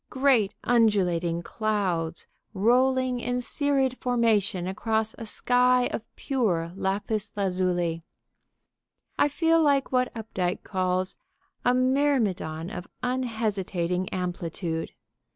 Great, undulating clouds, rolling in serried formation across a sky of pure lapis lazuli. I feel like what Updike calls a "myrmidon of unhesitating amplitude."